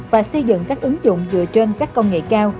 và xây dựng các ứng dụng dựa trên các công nghệ cao